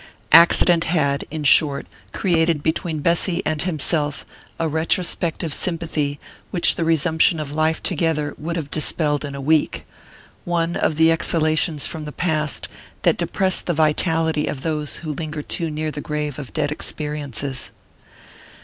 Accident had, in short, created between Bessy and himself a retrospective sympathy which the resumption of life together would have dispelled in a week one of the exhalations from the past that depress the vitality of those who linger too near the grave of dead experiences.